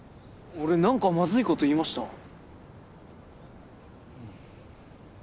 俺なんかまずい事言いました？